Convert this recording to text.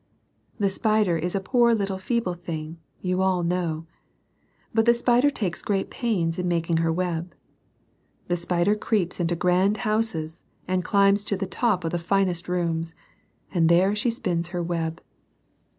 The spider is a poor little feeble thing, you all know. But the spider takes great pains in making her web. The spider creeps into grand houses, and climbs to the top of the finest rooms. And there she spins her web.